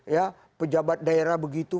ya pejabat daerah begitu